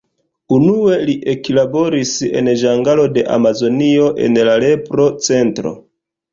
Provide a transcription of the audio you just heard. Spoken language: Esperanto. Unue li eklaboris en ĝangalo de Amazonio en la lepro-centro.